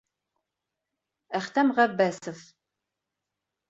Әхтәм Ғәббәсов: